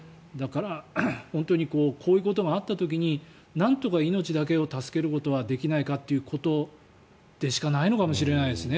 本当にこういうことがあった時になんとか命だけを助けることはできないかということでしかないのかもしれないですね